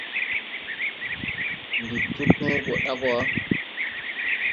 Ndi to tõõ go ɗa go.